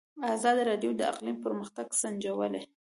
ازادي راډیو د اقلیم پرمختګ سنجولی.